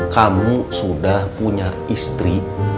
kamu sudah punya istri